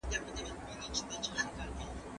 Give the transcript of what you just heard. زه اوږده وخت اوبه پاکوم!.